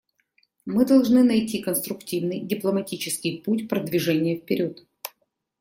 Мы должны найти конструктивный, дипломатический путь продвижения вперед.